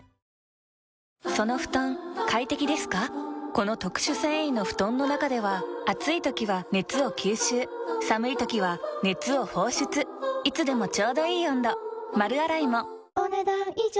この特殊繊維の布団の中では暑い時は熱を吸収寒い時は熱を放出いつでもちょうどいい温度丸洗いもお、ねだん以上。